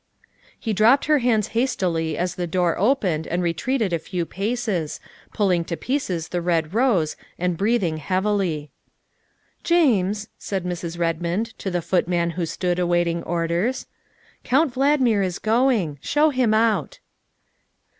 He dropped her hands hastily as the door opened and retreated a few paces, pulling to pieces the red rose and breathing heavily. " James," said Mrs. Redmond to the footman who stood awaiting orders, " Count Valdmir is going. Show him out."